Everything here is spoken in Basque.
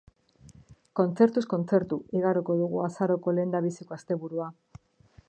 Kontzertuz kontzertu igaroko dugu azaroko lehendabiziko asteburua.